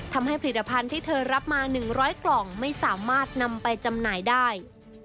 ทำให้ผลิตภัณฑ์ที่เธอรับมา๑๐๐กล่องไม่สามารถนำไปจำหน่ายได้